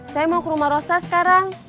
saya mau ke rumah rosa sekarang